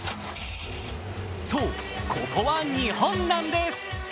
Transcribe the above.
そう、ここは日本なんです。